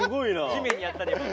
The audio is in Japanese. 地面にやったで今。